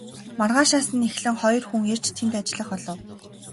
Маргаашаас нь эхлэн хоёр хүн ирж тэнд ажиллах болов.